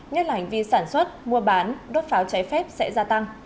nhất là hành vi sản xuất mua bán đốt pháo cháy phép sẽ gia tăng